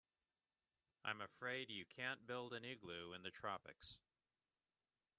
I'm afraid you can't build an igloo in the tropics.